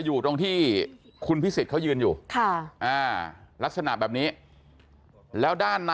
อยู่ตรงที่คุณพิสิทธิ์เขายืนอยู่ลักษณะแบบนี้แล้วด้านใน